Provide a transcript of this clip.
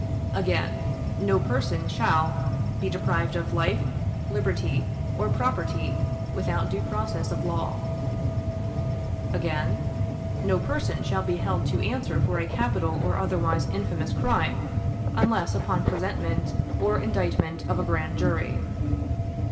Again: "No person shall ... be deprived of life, liberty, or property, without due process of law." Again: "No person shall be held to answer for a capital or otherwise infamous crime, unless on a presentment or indictment of a grand jury."